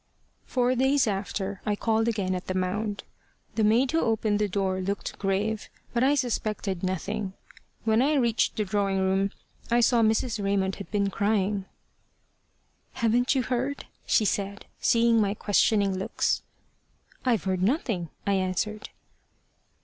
Four days after, I called again at the Mound. The maid who opened the door looked grave, but I suspected nothing. When I reached the drawing room, I saw Mrs. Raymond had been crying. "Haven't you heard?" she said, seeing my questioning looks. "I've heard nothing," I answered.